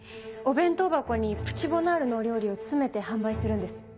お弁当箱にプチボナールのお料理を詰めて販売するんです。